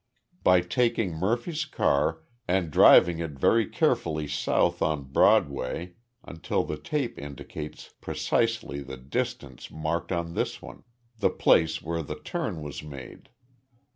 "By taking Murphy's car and driving it very carefully south on Broadway until the tape indicates precisely the distance marked on this one the place where the turn was made.